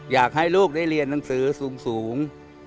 อยากให้ลูกได้เรียนหนังสือสูง